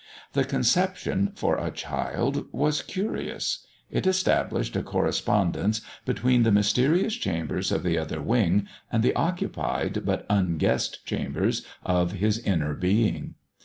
The conception, for a child, was curious. It established a correspondence between the mysterious chambers of the Other Wing and the occupied, but unguessed chambers of his Inner Being.